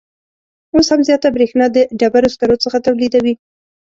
اوس هم زیاته بریښنا د ډبروسکرو څخه تولیدوي